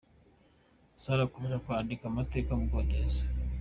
Salah akomeje kwandika amateka mu Bwongereza.